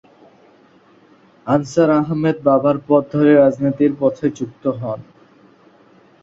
Answer Ahmed বাবার পথ ধরেই রাজনীতির সাথে যুক্ত হন।